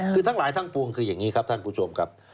คือทั้งหลายทั้งปวงคืออย่างนี้ครับท่านผู้ชมครับ